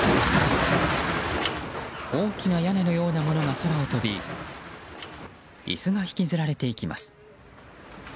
大きな屋根のようなものが空を飛び椅子が引きずられていきます。